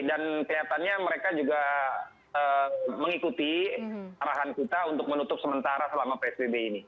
dan kelihatannya mereka juga mengikuti arahan kita untuk menutup sementara selama psbb ini